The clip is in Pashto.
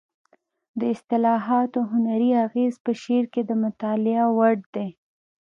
د اصطلاحاتو هنري اغېز په شعر کې د مطالعې وړ دی